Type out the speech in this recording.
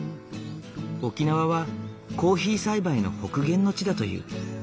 沖縄はコーヒー栽培の北限の地だという。